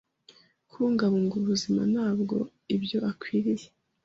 kubungabunga ubuzima Ntabwo ibyo akwiriye